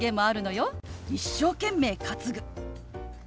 「一生懸命担ぐ」。